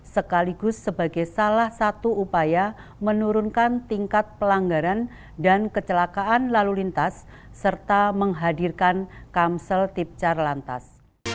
sekaligus sebagai salah satu upaya menurunkan tingkat pelanggaran dan kecelakaan lalu lintas serta menghadirkan kamsel tipcar lantas